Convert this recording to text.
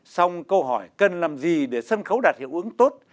xong câu hỏi cần làm gì để sân khấu đạt hiệu ứng tốt